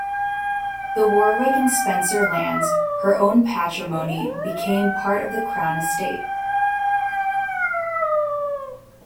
The 'Warwick and Spencer lands', her own patrimony became part of the crown estate.